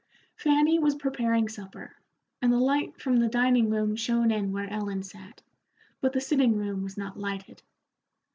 Fanny was preparing supper, and the light from the dining room shone in where Ellen sat, but the sitting room was not lighted.